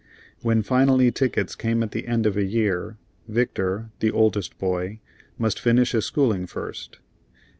When finally tickets came at the end of a year, Victor, the oldest boy, must finish his schooling first.